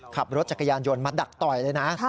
ขับรถจักรยานยนต์มาดักต่อยเลยนะ